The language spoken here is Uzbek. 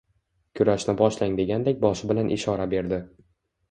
Kurashni boshlang degandek boshi bilan ishora berdi.